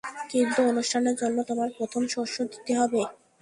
কিন্তু অনুষ্ঠানের জন্য তোমার প্রথম শস্য দিতে হবে।